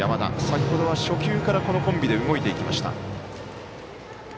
先ほどは初球からこのコンビで動いていきました。